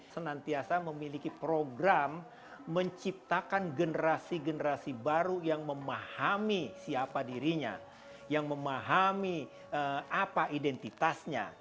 senantiasa memiliki program menciptakan generasi generasi baru yang memahami siapa dirinya yang memahami apa identitasnya